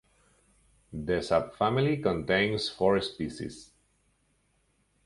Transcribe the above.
The subfamily contains four species.